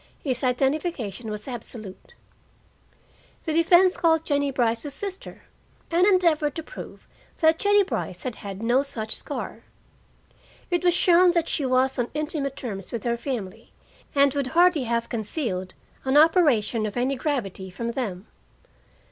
His identification was absolute. The defense called Jennie Brice's sister, and endeavored to prove that Jennie Brice had had no such scar. It was shown that she was on intimate terms with her family and would hardly have concealed an operation of any gravity from them.